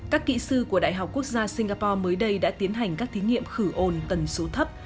các kỹ sư của đại học quốc gia singapore mới đây đã tiến hành các thí nghiệm khử ồn tần số thấp